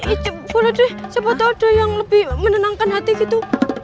itu boleh deh siapa tau deh yang lebih menenangkan hati gitu